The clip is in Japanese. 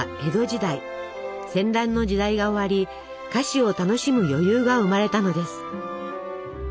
戦乱の時代が終わり菓子を楽しむ余裕が生まれたのです。